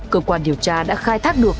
cơ quan điều tra đã khai thác được